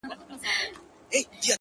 • چي تابه وكړې راته ښې خبري ـ